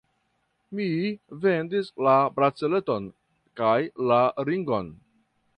Mi vendis la braceleton kaj la ringon.